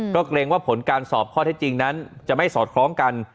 ก็เกรงว่าผลการสอบข้อเท็จจริงนั้นจะไม่สอดคล้องกัน